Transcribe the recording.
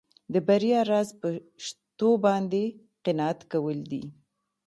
د بریا راز په شتو باندې قناعت کول دي.